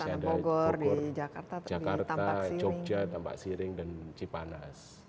istana bogor jakarta jogja tampak siring dan cipanas